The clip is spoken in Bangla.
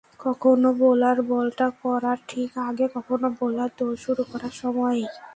কখনো বোলার বলটা করার ঠিক আগে, কখনো বোলার দৌড় শুরু করার সময়েই।